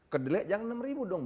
kedelai jangan enam ribu dong